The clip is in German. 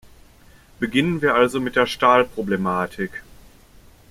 Beginnen wir also mit der Stahlproblematik.